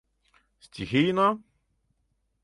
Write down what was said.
— Стихийно?!